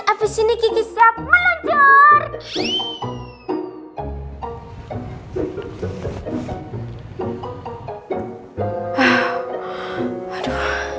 abis ini kiki siap meluncur